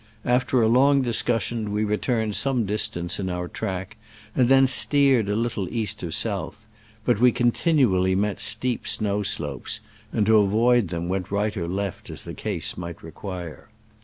After a long discus sion we returned some distance in our track, and then steered a little east of south, but we continually met steep snow slopes, and to avoid them went right or left as the case might require.